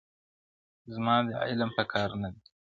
زما دي علم په کار نه دی؛